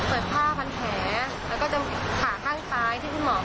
เปิดผ้าพันแขแล้วก็จะขาข้างซ้ายที่คุณหมอเขาเอ่อ